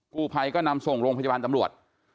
กู้ภัยก็นำส่งโรงพยาบาลตำรวจ